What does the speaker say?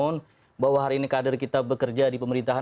dan bahwa hari ini kadar kita bekerja di pemerintahan